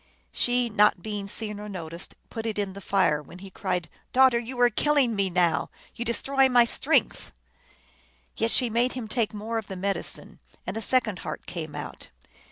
She, not being seen or noticed, put it in the fire, when he cried, " Daughter, you are killing me now ; you destroy my strength." Yet she made him take more of the medicine, and a second heart came out.